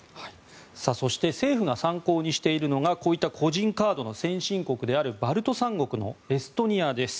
そして政府が参考にしているのがこういった個人カードの先進国であるバルト三国のエストニアです。